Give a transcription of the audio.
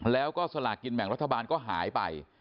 แล้วก็สลากกินแบ่งรัฐบาลก็หายไป